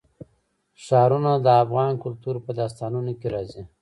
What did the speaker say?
ښارونه د افغان کلتور په داستانونو کې راځي.